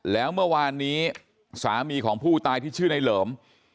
แล้วเมื่อวานนี้สามีของผู้ตายที่ชื่อในเหลิม